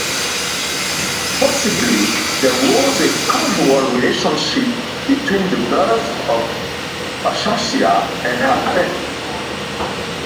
Possibly there was a causal relationship between the birth of Paschasia and her death.